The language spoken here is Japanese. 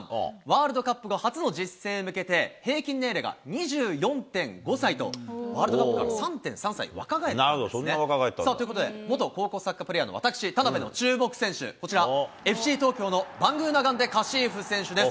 ワールドカップ後が初の実戦へ向けて、平均年齢が２４．５歳と、ワールドカップから３．３歳若返ったんですね。ということで元高校サッカープレーヤーの私、田辺の注目選手、こちら、ＦＣ東京のバングーナガンデ佳史扶選手です。